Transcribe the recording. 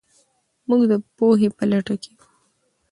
موږ د پوهې په لټه کې یو.